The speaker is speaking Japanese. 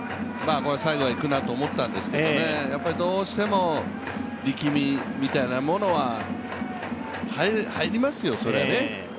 最後いくなと思ったんですけどね、どうしても力みみたいなものは、入りますよ、そりゃね。